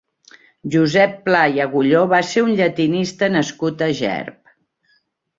Josep Pla i Agullló va ser un llatinista nascut a Gerb.